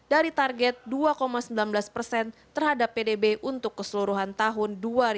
dari target dua sembilan belas persen terhadap pdb untuk keseluruhan tahun dua ribu dua puluh